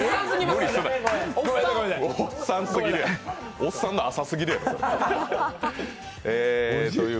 おっさんの朝すぎるやろ。